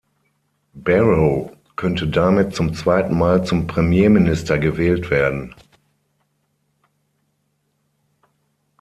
Barrow könnte damit zum zweiten Mal zum Premierminister gewählt werden.